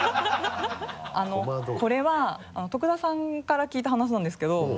これは徳田さんから聞いた話なんですけど。